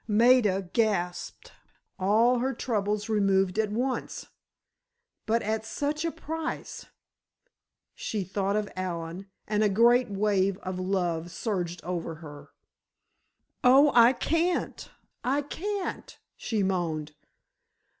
Maida gasped. All her troubles removed at once—but at such a price! She thought of Allen, and a great wave of love surged over her. "Oh, I can't—I can't," she moaned.